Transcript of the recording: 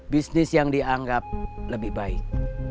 bisnis yang dianggap lebih baik